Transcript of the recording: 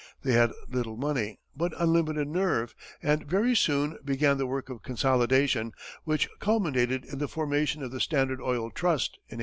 They had little money, but unlimited nerve, and very soon began the work of consolidation, which culminated in the formation of the Standard Oil Trust in 1882.